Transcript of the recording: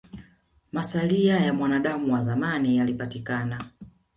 Masalia ya mwanadamu wa zamani yalipatikana